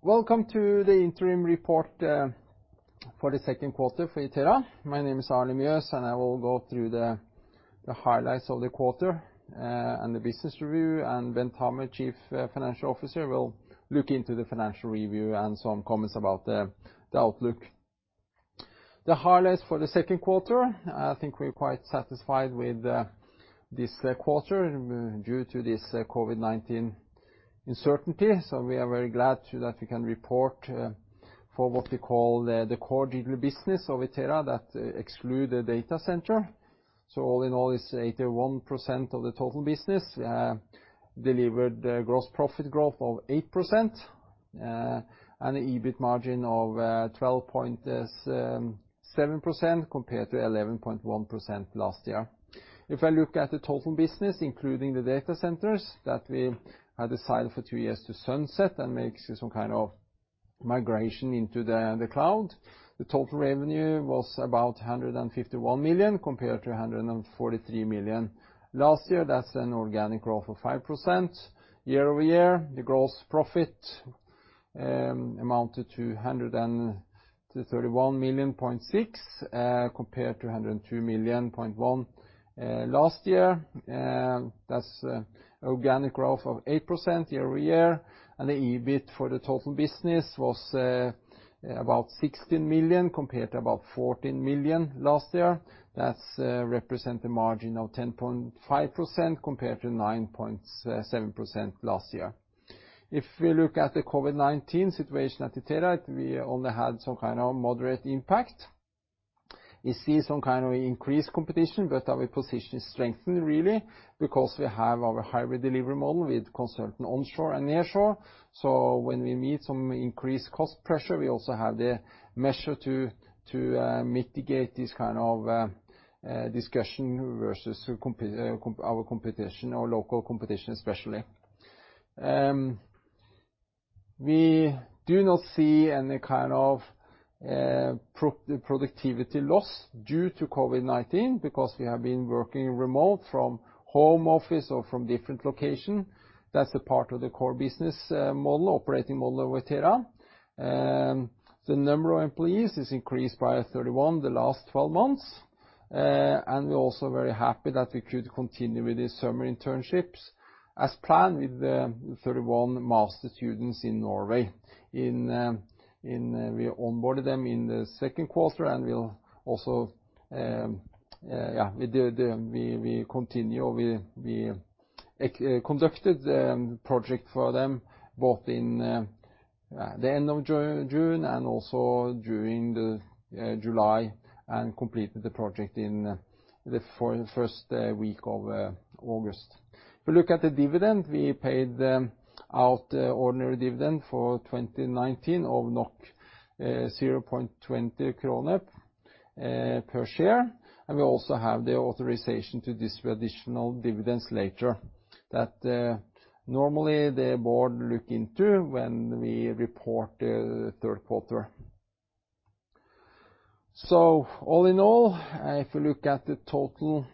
Welcome to the interim report for the second quarter for Itera. My name is Arne Mjøs, and I will go through the highlights of the quarter and the business review, and Bent Hammer, Chief Financial Officer, will look into the financial review and some comments about the outlook. The highlights for the second quarter, I think we're quite satisfied with this quarter due to this COVID-19 uncertainty, so we are very glad that we can report for what we call the core digital business of Itera that exclude the data center, so all in all, it's 81% of the total business. We have delivered gross profit growth of 8%, and an EBIT margin of 12.67% compared to 11.1% last year. If I look at the total business, including the data centers that we had decided for two years to sunset and make some kind of migration into the cloud, the total revenue was about 151 million compared to 143 million last year. That's an organic growth of 5% year over year. The gross profit amounted to 131.6 million, compared to 102.1 million last year. That's organic growth of 8% year over year, and the EBIT for the total business was about 16 million compared to about 14 million last year. That represents a margin of 10.5% compared to 9.7% last year. If we look at the COVID-19 situation at Itera, we only had some kind of moderate impact. We see some kind of increased competition, but our position is strengthened, really, because we have our hybrid delivery model with consultant onshore and nearshore. When we meet some increased cost pressure, we also have the measure to mitigate this kind of discussion versus our competition or local competition, especially. We do not see any kind of productivity loss due to COVID-19 because we have been working remote from home office or from different location. That's a part of the core business model operating model of Itera. The number of employees has increased by 31 in the last 12 months. We're also very happy that we could continue with these summer internships as planned with the 31 master students in Norway. We onboarded them in the second quarter, and we conducted the project for them both in the end of June and also during July and completed the project in the first week of August. If we look at the dividend, we paid out ordinary dividend for 2019 of 0.20 kroner per share, and we also have the authorization to distribute additional dividends later. That normally the board look into when we report the third quarter, so all in all, if we look at the total,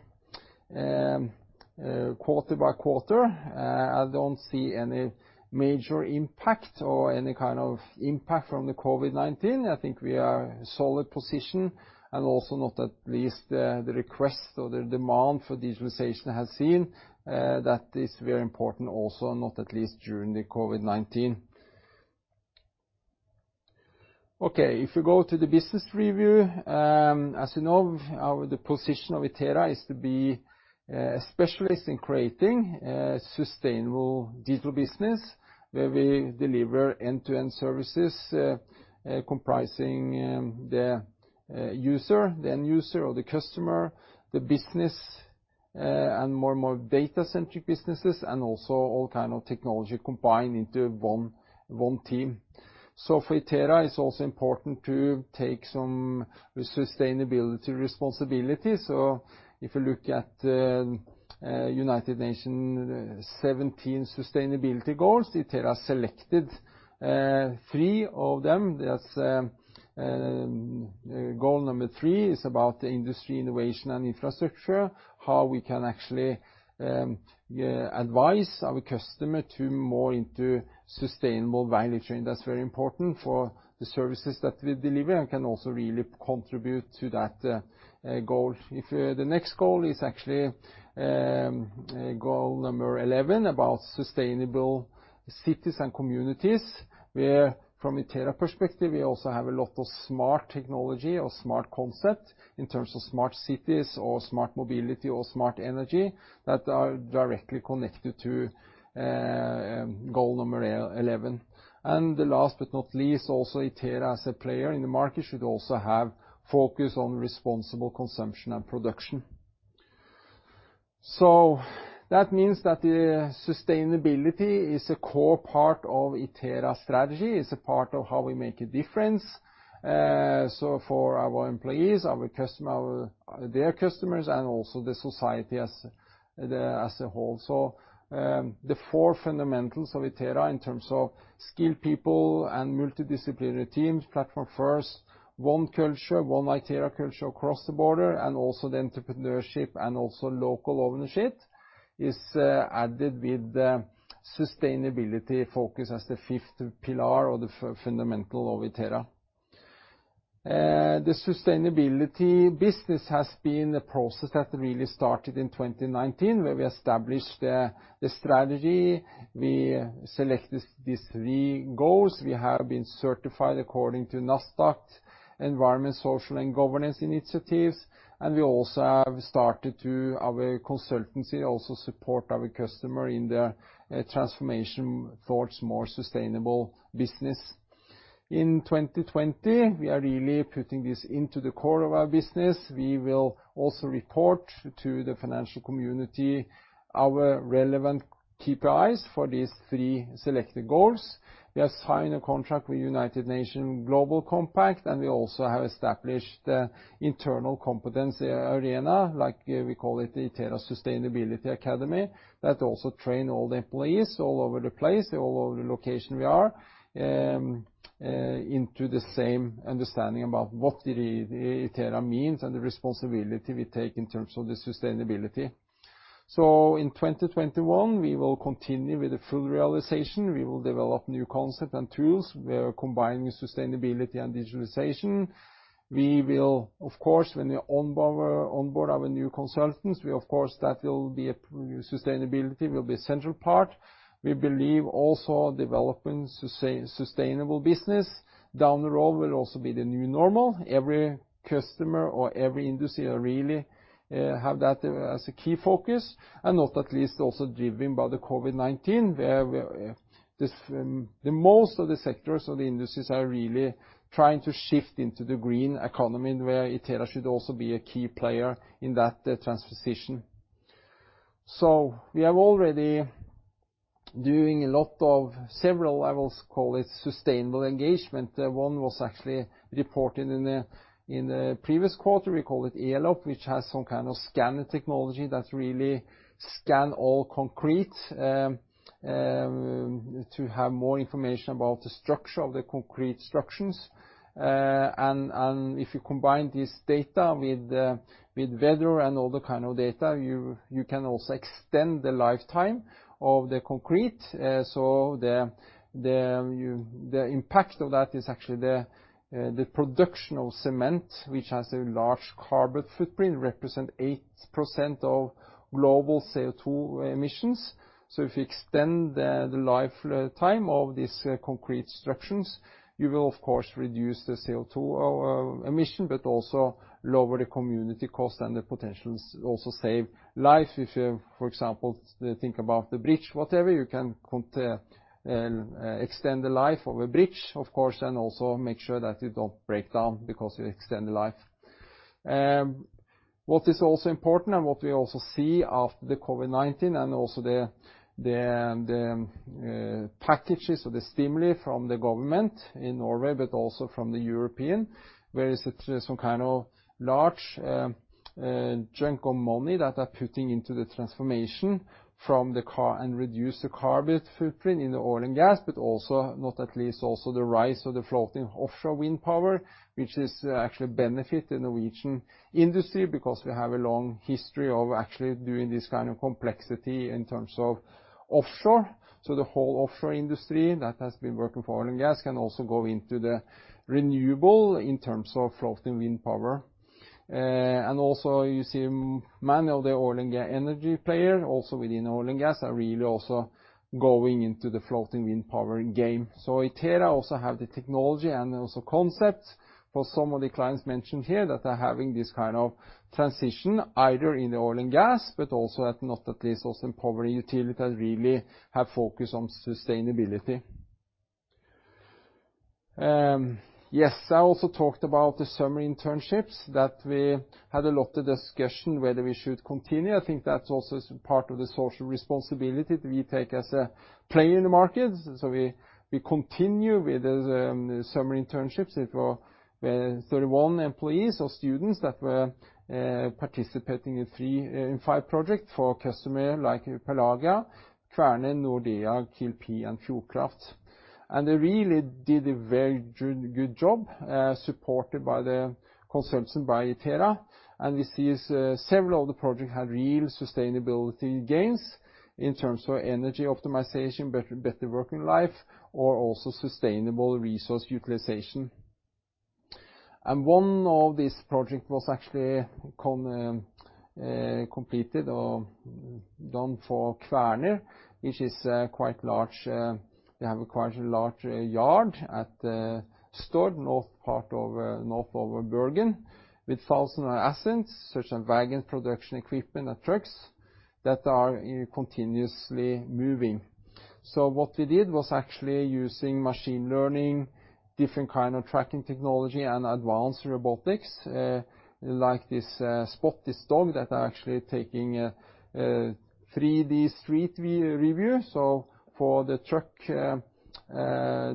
quarter by quarter, I don't see any major impact or any kind of impact from the COVID-19. I think we are a solid position and also not at least the request or the demand for digitalization has seen, that is very important also not at least during the COVID-19. Okay. If we go to the business review, as you know, our position of Itera is to be a specialist in creating sustainable digital business where we deliver end-to-end services, comprising the end user or the customer, the business, and more and more data-centric businesses, and also all kind of technology combined into one team. So for Itera, it's also important to take some sustainability responsibility. So if we look at United Nations' 17 sustainability goals, Itera selected three of them. That's goal number three is about the industry innovation and infrastructure, how we can actually advise our customer to move into sustainable value chain. That's very important for the services that we deliver and can also really contribute to that goal. The next goal is actually goal number 11 about sustainable cities and communities, where from Itera's perspective, we also have a lot of smart technology or smart concept in terms of smart cities or smart mobility or smart energy that are directly connected to goal number 11. Last but not least, also Itera as a player in the market should also have focus on responsible consumption and production. So that means that the sustainability is a core part of Itera's strategy, is a part of how we make a difference, so for our employees, our customers, their customers, and also the society as a whole. The four fundamentals of Itera in terms of skilled people and multidisciplinary teams, platform first, one culture, one Itera culture across the border, and also the entrepreneurship and also local ownership is, added with the sustainability focus as the fifth pillar or the fundamental of Itera. The sustainability business has been a process that really started in 2019 where we established the strategy. We selected these three goals. We have been certified according to Nasdaq environment, social, and governance initiatives. We also have started to our consultancy also support our customer in their transformation towards more sustainable business. In 2020, we are really putting this into the core of our business. We will also report to the financial community our relevant KPIs for these three selected goals. We have signed a contract with United Nations Global Compact, and we also have established the internal competency arena, like we call it the Itera Sustainability Academy, that also train all the employees all over the place, all over the location we are, into the same understanding about what Itera means and the responsibility we take in terms of the sustainability. In 2021, we will continue with the full realization. We will develop new concept and tools where combining sustainability and digitalization. We will, of course, when we onboard our new consultants, we, of course, sustainability will be a central part. We believe also developing sustainable business down the road will also be the new normal. Every customer or every industry will really have that as a key focus and not at least also driven by the COVID-19 where the most of the sectors or the industries are really trying to shift into the green economy where Itera should also be a key player in that transition. So we are already doing a lot of several levels, call it sustainable engagement. One was actually reported in the previous quarter. We call it Elop, which has some kind of scanner technology that really scan all concrete, to have more information about the structure of the concrete structures. If you combine this data with weather and other kind of data, you can also extend the lifetime of the concrete. So the impact of that is actually the production of cement, which has a large carbon footprint, represents 8% of global CO2 emissions. So if you extend the lifetime of these concrete structures, you will, of course, reduce the CO2 emission, but also lower the community cost and the potentials also save life. If you, for example, think about the bridge, whatever, you can extend the life of a bridge, of course, and also make sure that you don't break down because you extend the life. What is also important and what we also see after the COVID-19 and also the packages or the stimuli from the government in Norway, but also from the European, where there is some kind of large chunk of money that are putting into the transformation from the core and reduce the carbon footprint in the oil and gas, but also not least the rise of the floating offshore wind power, which is actually a benefit in the Norwegian industry because we have a long history of actually doing this kind of complexity in terms of offshore. So the whole offshore industry that has been working for oil and gas can also go into the renewable in terms of floating wind power. And also you see many of the oil and gas energy players also within oil and gas are really also going into the floating wind power game. So Itera also have the technology and also concept for some of the clients mentioned here that are having this kind of transition either in the oil and gas, but also and not least also in power utility that really have focus on sustainability. Yes, I also talked about the summer internships that we had a lot of discussion whether we should continue. I think that's also part of the social responsibility that we take as a player in the market. So we continue with the summer internships for 31 employees or students that were participating in three to five projects for customers like Pelagia, Kvaerner, Nordea, KLP, and Fjordkraft. And they really did a very good, good job, supported by the consultant by Itera. We see several of the projects had real sustainability gains in terms of energy optimization, better, better working life, or also sustainable resource utilization. One of these projects was actually completed or done for Kvaerner, which is a quite large, they have a quite large yard at Stord, north part of north of Bergen, with 1,000 assets, such as wagons, production equipment, and trucks that are continuously moving. So what we did was actually using machine learning, different kind of tracking technology, and advanced robotics, like this Spot, this dog that are actually taking 3D street view review. So for the truck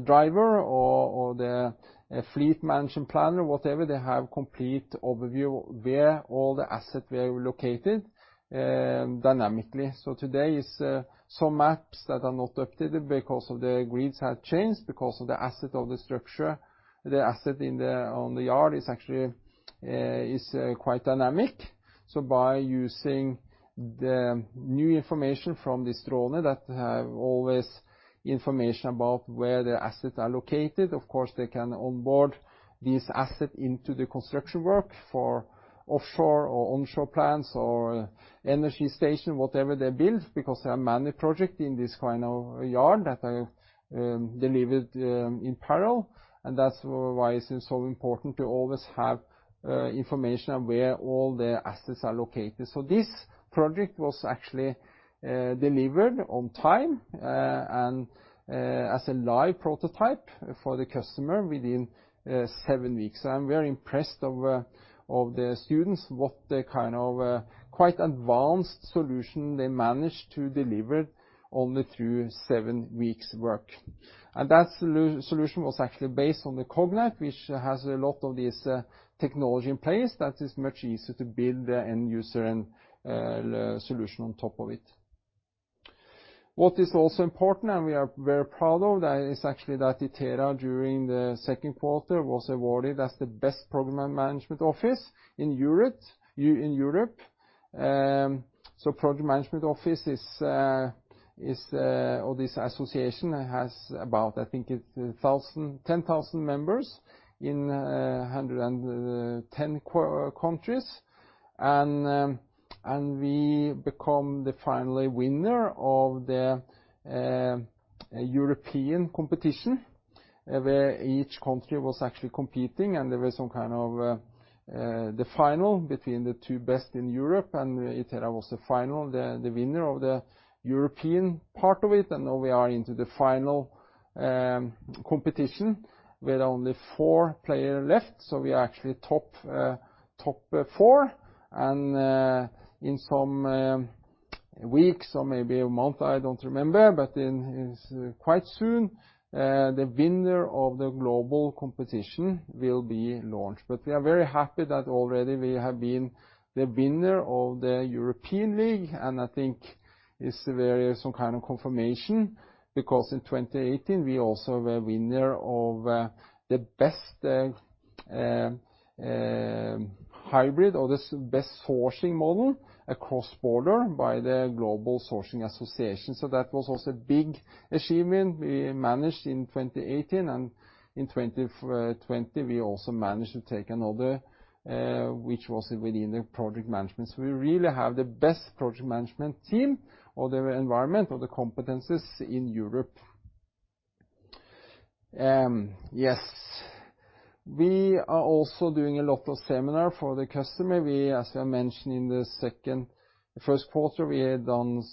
driver or the fleet management planner, whatever, they have complete overview where all the assets were located, dynamically. So today is some maps that are not updated because of the grids have changed because of the asset of the structure. The asset in the yard is actually quite dynamic. By using the new information from this drone that have always information about where the assets are located, of course, they can onboard these assets into the construction work for offshore or onshore plants or energy station, whatever they build, because there are many projects in this kind of yard that are delivered in parallel. That's why it's so important to always have information on where all the assets are located. This project was actually delivered on time, and as a live prototype for the customer within seven weeks. I'm very impressed of the students, what the kind of quite advanced solution they managed to deliver only through seven weeks work. That solution was actually based on the Cognite, which has a lot of these technology in place that is much easier to build an end user and solution on top of it. What is also important and we are very proud of that is actually that Itera during the second quarter was awarded as the best program management office in Europe in Europe. Project management office is or this association has about, I think it's 10,000 members in 110 countries. We become the final winner of the European competition, where each country was actually competing and there was some kind of the final between the two best in Europe and Itera was the winner of the European part of it. Now we are into the final competition where only four players left. We are actually top four. In some weeks or maybe a month, I don't remember, but in quite soon, the winner of the global competition will be launched. We are very happy that already we have been the winner of the European league. I think it's very some kind of confirmation because in 2018, we also were winner of the best hybrid or the best sourcing model across border by the Global Sourcing Association. That was also a big achievement we managed in 2018. In 2020, we also managed to take another, which was within the project management. We really have the best project management team or the environment or the competencies in Europe. Yes, we are also doing a lot of seminar for the customer. We, as we are mentioning in the second, the first quarter, we had done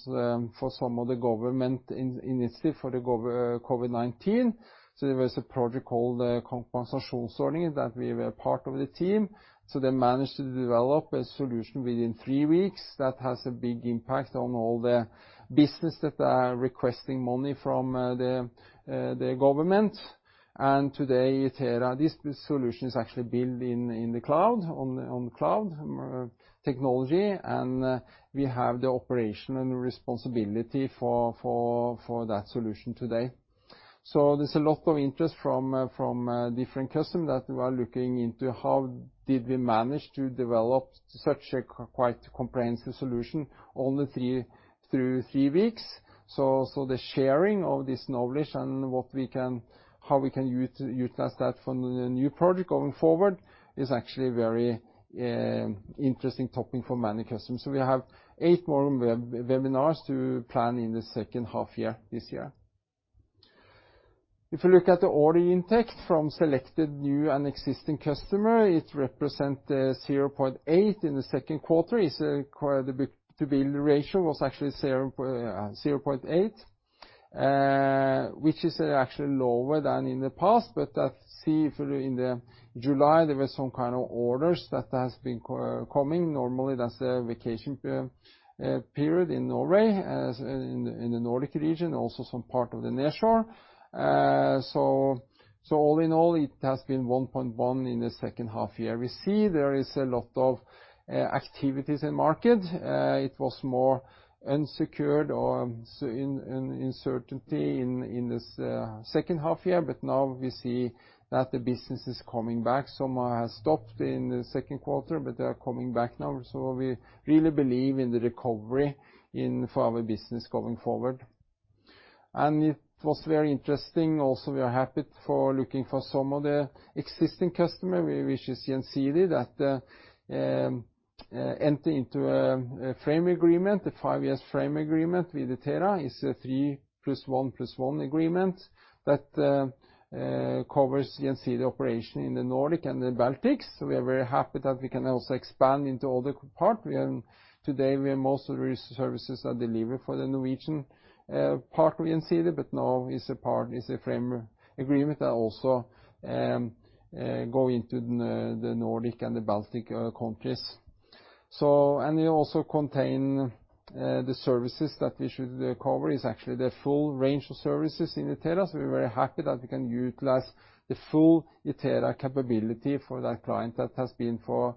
for some of the government initiative for the COVID, COVID-19. So there was a project called the Business Compensation Scheme that we were part of the team. So they managed to develop a solution within three weeks that has a big impact on all the business that are requesting money from the government. Today, Itera, this solution is actually built in the cloud on cloud technology. We have the operational responsibility for that solution today. So there's a lot of interest from different customers that we are looking into how did we manage to develop such a quite comprehensive solution only three through three weeks. So the sharing of this knowledge and what we can, how we can utilize that for the new project going forward is actually a very interesting topic for many customers. So we have eight more webinars to plan in the second half year this year. If you look at the order intake from selected new and existing customer, it represents 0.8 in the second quarter. It's the book-to-bill ratio was actually 0.8, which is actually lower than in the past. But I see if in July, there were some kind of orders that has been coming. Normally, that's the vacation period in Norway, in the Nordic region, also some part of the nearshore. So all in all, it has been 1.1 in the second half year. We see there is a lot of activities in market. It was more uncertainty in this second half year, but now we see that the business is coming back. Some have stopped in the second quarter, but they are coming back now, so we really believe in the recovery in for our business going forward, and it was very interesting also. We are happy for looking for some of the existing customers, which is Gjensidige that entered into a frame agreement, a five-year frame agreement with Itera. It's a three plus one plus one agreement that covers Gjensidige operation in the Nordic and the Baltics, so we are very happy that we can also expand into other part. Today we have most of the services that deliver for the Norwegian part of Gjensidige, but now is a frame agreement that also goes into the Nordic and the Baltic countries. The services that we should cover is actually the full range of services in Itera. So we're very happy that we can utilize the full Itera capability for that client that has been client for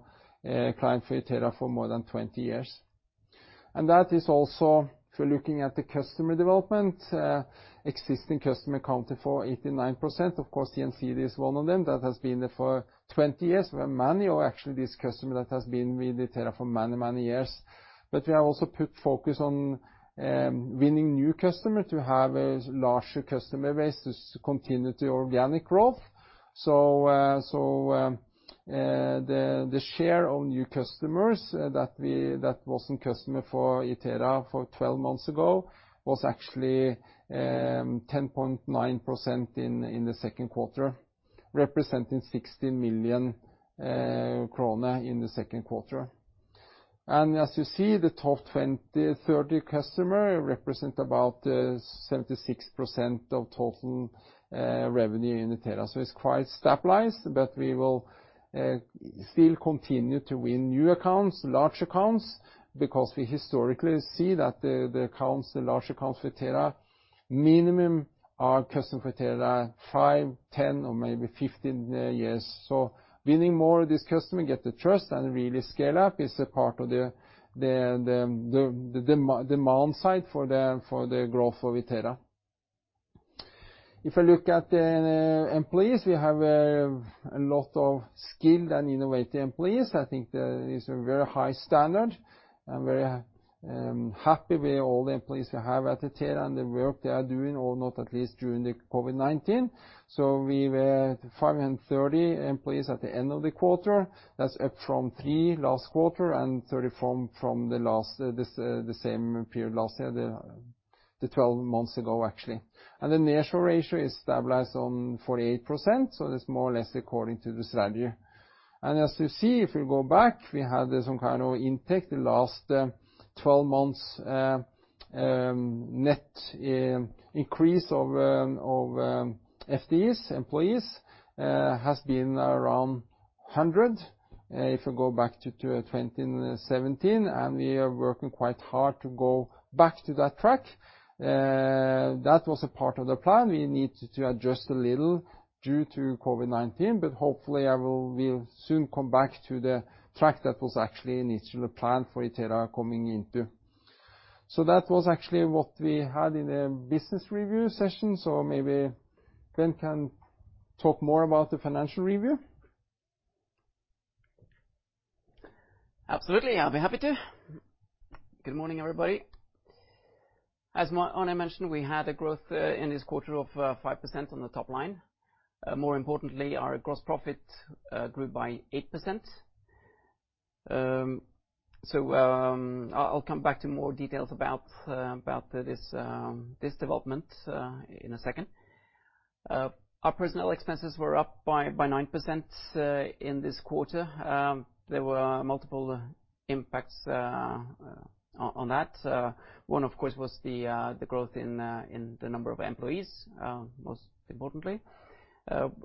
Itera for more than 20 years. That is also if we're looking at the customer development, existing customer accounted for 89%. Of course, Gjensidige is one of them that has been there for 20 years. We have many or actually this customer that has been with Itera for many, many years. But we have also put focus on winning new customers to have a larger customer base to continue to organic growth. So the share of new customers that weren't customers for Itera 12 months ago was actually 10.9% in the second quarter, representing 16 million NOK in the second quarter. As you see, the top 20-30 customers represent about 76% of total revenue in Itera. So it's quite stabilized, but we will still continue to win new accounts, large accounts, because we historically see that the accounts, the large accounts for Itera minimum are customers for Itera 5, 10, or maybe 15 years. So winning more of these customers gets the trust and really scale up is a part of the demand side for the growth of Itera. If I look at the employees, we have a lot of skilled and innovative employees. I think there is a very high standard. I'm very happy with all the employees we have at Itera and the work they are doing, or at least during the COVID-19. So we were 530 employees at the end of the quarter. That's up from three last quarter and 30 from the same period last year, the 12 months ago actually. The nearshore ratio is stabilized on 48%. So it's more or less according to the strategy. And as you see, if we go back, we had some kind of intake, the last 12 months, net increase of FTEs, employees, has been around 100. If we go back to 2017, and we are working quite hard to go back to that track. That was a part of the plan. We need to adjust a little due to COVID-19, but hopefully I will, we'll soon come back to the track that was actually initially planned for Itera coming into. So that was actually what we had in the business review session. So maybe Bent can talk more about the financial review. Absolutely. I'll be happy to. Good morning, everybody. As I mentioned, we had a growth in this quarter of 5% on the top line. More importantly, our gross profit grew by 8%. So, I'll come back to more details about this development in a second. Our personnel expenses were up by 9% in this quarter. There were multiple impacts on that. One, of course, was the growth in the number of employees, most importantly.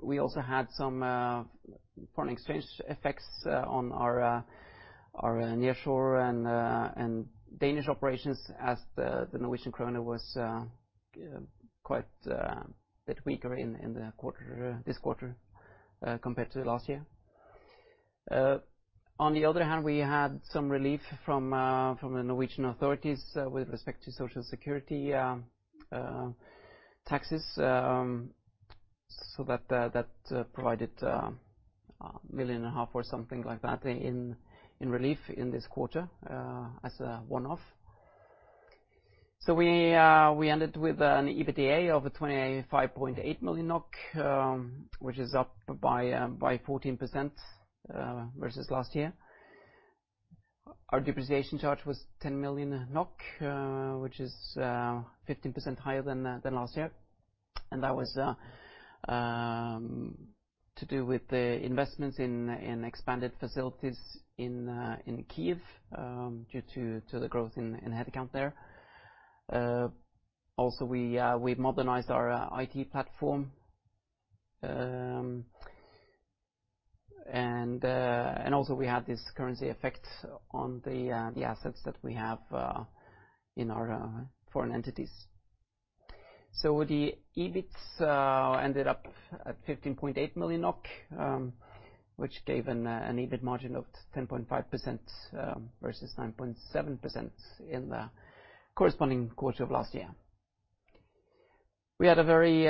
We also had some foreign exchange effects on our nearshore and Danish operations as the Norwegian kroner was quite a bit weaker in the quarter compared to last year. On the other hand, we had some relief from the Norwegian authorities with respect to social security, taxes, so that provided 1.5 million NOK or something like that in relief in this quarter, as a one-off. We ended with an EBITDA of 25.8 million NOK, which is up by 14% versus last year. Our depreciation charge was 10 million NOK, which is 15% higher than last year. That was to do with the investments in expanded facilities in Kyiv, due to the growth in headcount there. Also, we modernized our IT platform. Also, we had this currency effect on the assets that we have in our foreign entities. So the EBIT ended up at 15.8 million NOK, which gave an EBIT margin of 10.5%, versus 9.7% in the corresponding quarter of last year. We had a very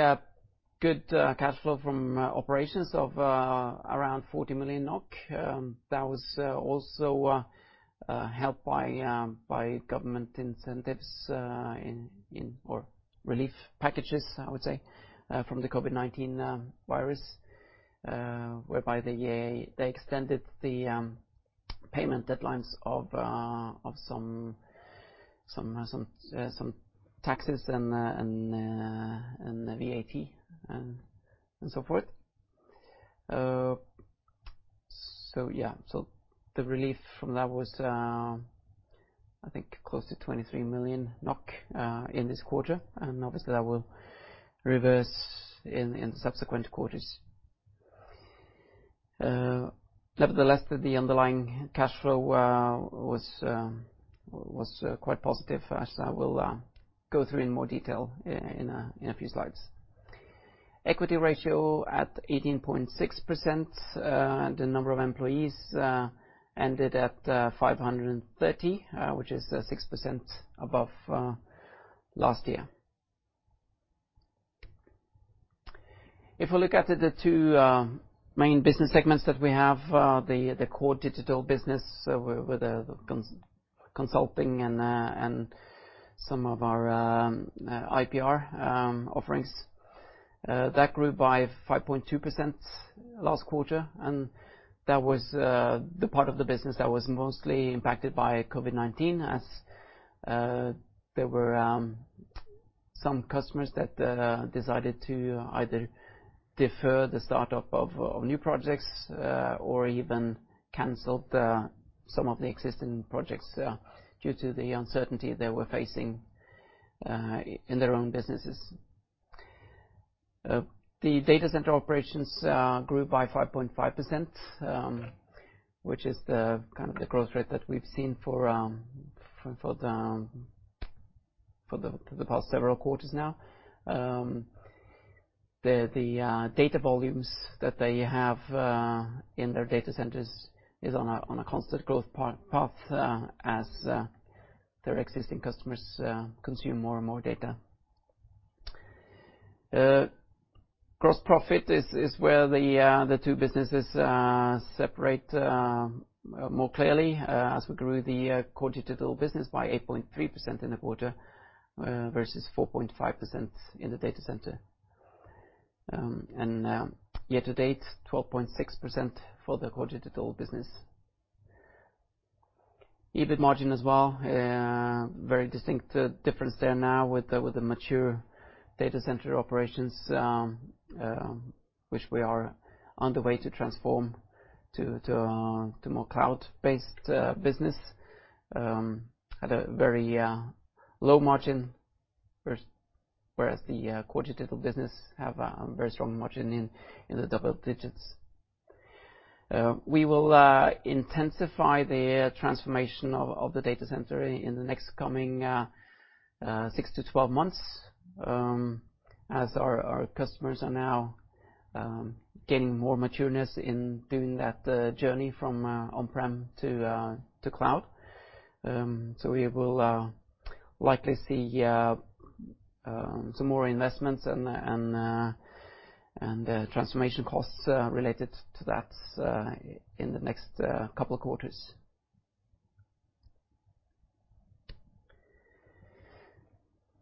good cash flow from operations of around 40 million NOK. That was also helped by government incentives or relief packages, I would say, from the COVID-19 virus, whereby they extended the payment deadlines of some taxes and VAT and so forth. So the relief from that was, I think, close to 23 million NOK in this quarter. Obviously that will reverse in subsequent quarters. Nevertheless, the underlying cash flow was quite positive, as I will go through in more detail in a few slides. Equity ratio at 18.6%. The number of employees ended at 530, which is 6% above last year. If we look at the two main business segments that we have, the core digital business with the consulting and some of our IPR offerings, that grew by 5.2% last quarter, and that was the part of the business that was mostly impacted by COVID-19, as there were some customers that decided to either defer the startup of new projects or even canceled some of the existing projects due to the uncertainty they were facing in their own businesses. The data center operations grew by 5.5%, which is the kind of growth rate that we've seen for the past several quarters now. The data volumes that they have in their data centers is on a constant growth path, as their existing customers consume more and more data. Gross profit is where the two businesses separate more clearly, as we grew the core digital business by 8.3% in the quarter, versus 4.5% in the data center. Year to date, 12.6% for the core digital business. EBIT margin as well, very distinct difference there now with the mature data center operations, which we are on the way to transform to more cloud-based business had a very low margin, whereas the core digital business have a very strong margin in the double digits. We will intensify the transformation of the data center in the next coming 6-12 months, as our customers are now gaining more matureness in doing that journey from on-prem to cloud, so we will likely see some more investments and transformation costs related to that in the next couple of quarters.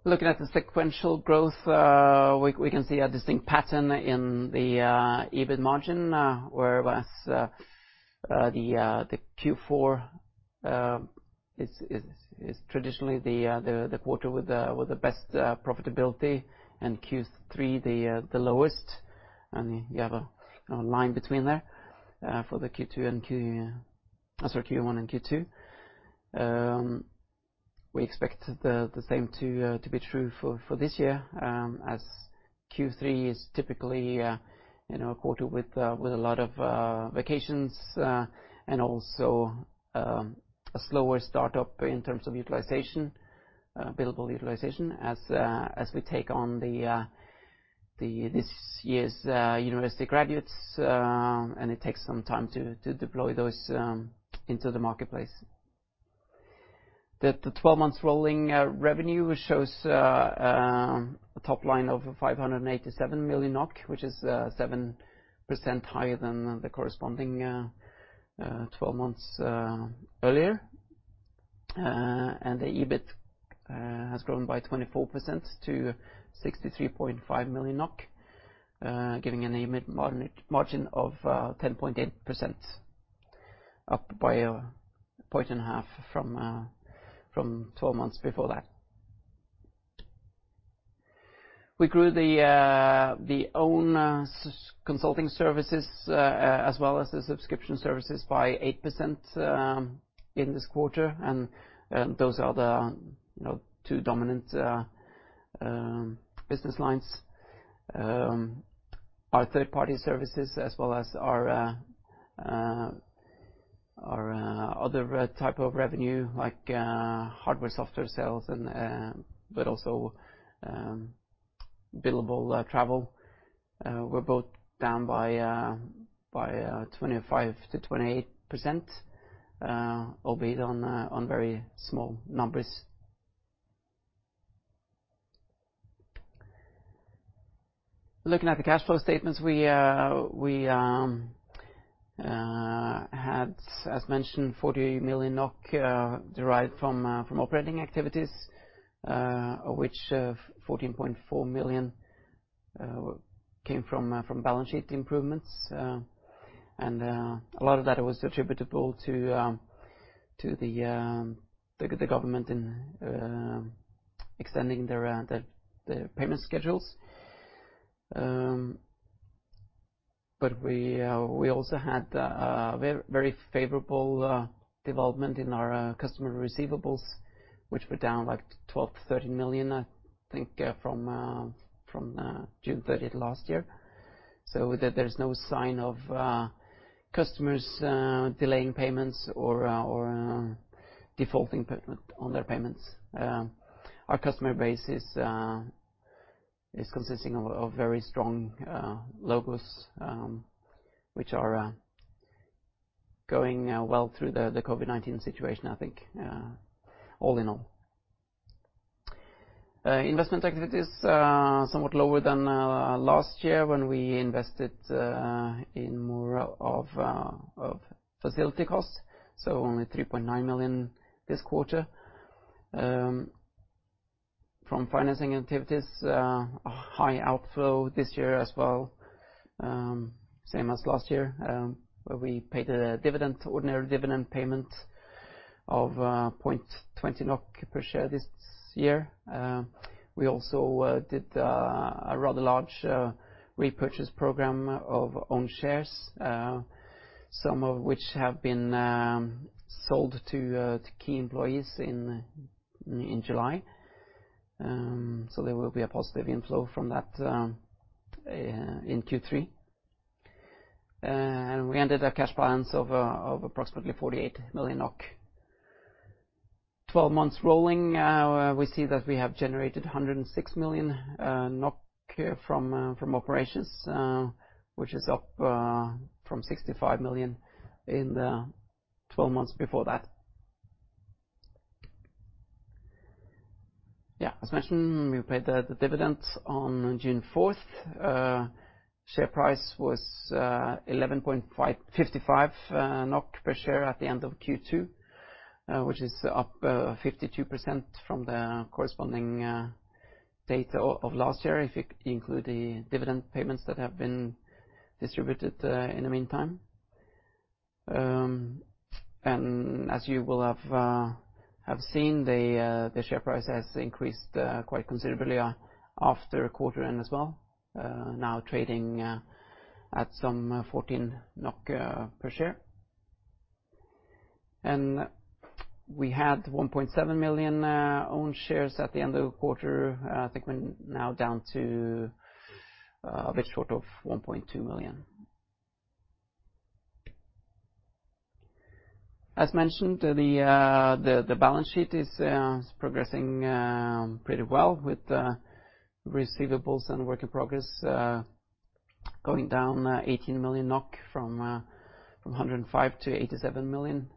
Looking at the sequential growth, we can see a distinct pattern in the EBIT margin, whereby the Q4 is traditionally the quarter with the best profitability and Q3 the lowest. You have a line between there for the Q1 and Q2. We expect the same to be true for this year, as Q3 is typically, you know, a quarter with a lot of vacations, and also a slower startup in terms of utilization, billable utilization as we take on this year's university graduates, and it takes some time to deploy those into the marketplace. The 12-month rolling revenue shows a top line of 587 million NOK, which is 7% higher than the corresponding 12 months earlier. The EBIT has grown by 24% to 63.5 million NOK, giving an EBIT margin of 10.8%, up by a point and a half from 12 months before that. We grew our own consulting services, as well as the subscription services by 8%, in this quarter. Those are the, you know, two dominant business lines. Our third-party services, as well as our other type of revenue, like hardware and software sales, but also billable travel, were both down by 25%-28%, albeit on very small numbers. Looking at the cash flow statements, we had, as mentioned, 40 million NOK derived from operating activities, of which 14.4 million came from balance sheet improvements. A lot of that was attributable to the government in extending their payment schedules. But we also had very, very favorable development in our customer receivables, which were down like 12-13 million, I think, from June 30th last year. So that there's no sign of customers delaying payments or defaulting on their payments. Our customer base is consisting of very strong logos, which are going well through the COVID-19 situation, I think, all in all. Investment activities somewhat lower than last year when we invested in more of facility costs. So only 3.9 million this quarter. From financing activities, a high outflow this year as well, same as last year, where we paid a dividend, ordinary dividend payment of 0.20 NOK per share this year. We also did a rather large repurchase program of own shares, some of which have been sold to key employees in July. So there will be a positive inflow from that in Q3. We ended our cash balance of approximately 48 million NOK. 12 months rolling, we see that we have generated 106 million NOK from operations, which is up from 65 million in the 12 months before that. Yeah, as mentioned, we paid the dividend on June 4th. Share price was 11.55 NOK per share at the end of Q2, which is up 52% from the corresponding date of last year, if you include the dividend payments that have been distributed in the meantime. As you will have seen, the share price has increased quite considerably after quarter end as well, now trading at some 14 NOK per share. We had 1.7 million own shares at the end of the quarter. I think we're now down to a bit short of 1.2 million. As mentioned, the balance sheet is progressing pretty well with receivables and work in progress going down 18 million NOK from 105 million to 87 million.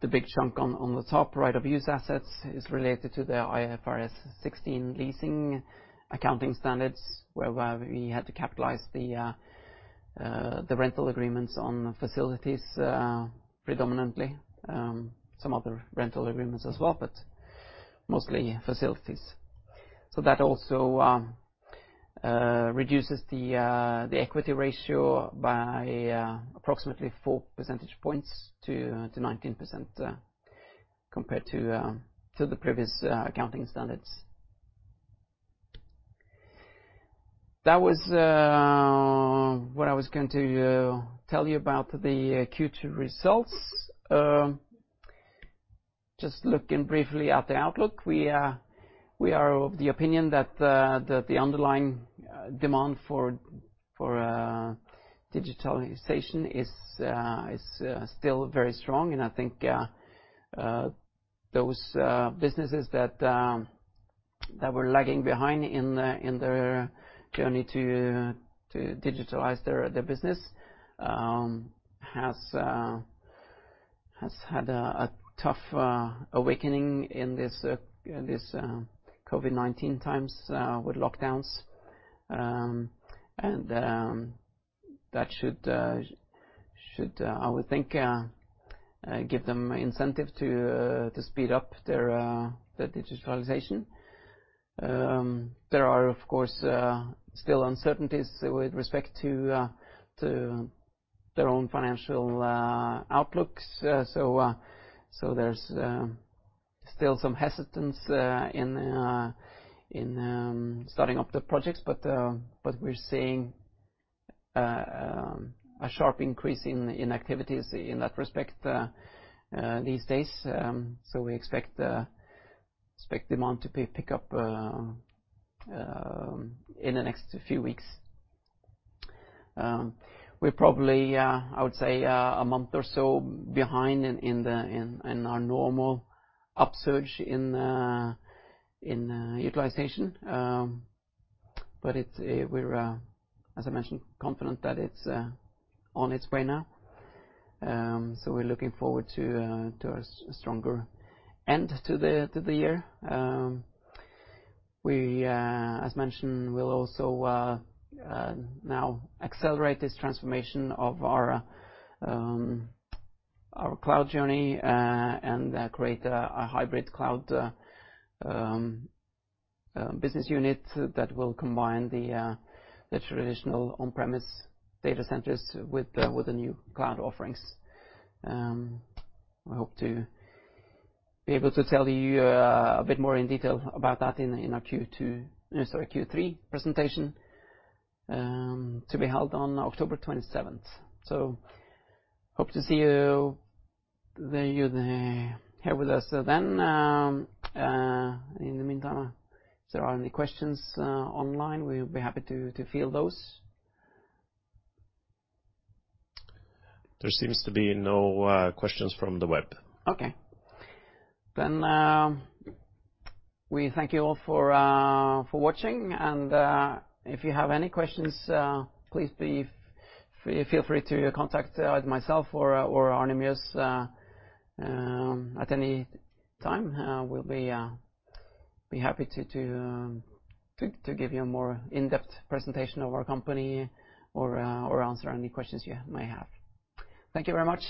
The big chunk on the top right-of-use assets is related to the IFRS 16 leasing accounting standards, whereby we had to capitalize the rental agreements on facilities, predominantly some other rental agreements as well, but mostly facilities. So that also reduces the equity ratio by approximately 4 percentage points to 19%, compared to the previous accounting standards. That was what I was going to tell you about the Q2 results. Just looking briefly at the outlook, we are of the opinion that the underlying demand for digitalization is still very strong. And I think those businesses that were lagging behind in their journey to digitalize their business has had a tough awakening in this COVID-19 times with lockdowns, and that should, I would think, give them incentive to speed up their digitalization. There are, of course, still uncertainties with respect to their own financial outlooks, so there's still some hesitance in starting up the projects, but we're seeing a sharp increase in activities in that respect these days, so we expect demand to pick up in the next few weeks. We're probably, I would say, a month or so behind in our normal upsurge in utilization, but we're, as I mentioned, confident that it's on its way now. We're looking forward to a stronger end to the year. We, as mentioned, will also now accelerate this transformation of our cloud journey and create a hybrid cloud business unit that will combine the traditional on-premise data centers with the new cloud offerings. I hope to be able to tell you a bit more in detail about that in our Q2, sorry, Q3 presentation, to be held on October 27th. Hope to see you there with us then. In the meantime, if there are any questions online, we'll be happy to field those. There seems to be no questions from the web. Okay. We thank you all for watching. If you have any questions, please feel free to contact either myself or Arne Mjøs at any time. We'll be happy to give you a more in-depth presentation of our company or answer any questions you may have. Thank you very much.